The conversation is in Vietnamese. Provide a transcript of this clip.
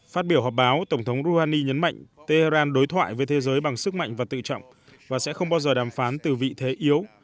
phát biểu họp báo tổng thống rouhani nhấn mạnh tehran đối thoại với thế giới bằng sức mạnh và tự trọng và sẽ không bao giờ đàm phán từ vị thế yếu